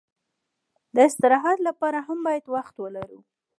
د استراحت لپاره هم باید وخت ولرو.